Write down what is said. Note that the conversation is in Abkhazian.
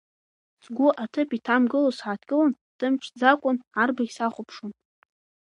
Сгәы аҭыԥ иҭамгыло сааҭгылан, ҿымҭӡакәан арбаӷь сахәаԥшуан.